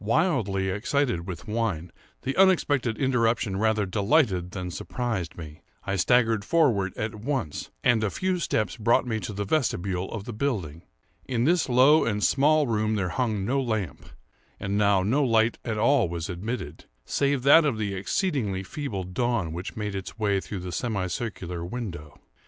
Wildly excited with wine, the unexpected interruption rather delighted than surprised me. I staggered forward at once, and a few steps brought me to the vestibule of the building. In this low and small room there hung no lamp; and now no light at all was admitted, save that of the exceedingly feeble dawn which made its way through the semi circular window.